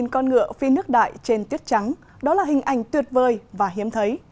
một con ngựa phi nước đại trên tiết trắng đó là hình ảnh tuyệt vời và hiếm thấy